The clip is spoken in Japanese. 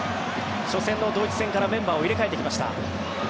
初戦のドイツ戦からメンバーを入れ替えてきました。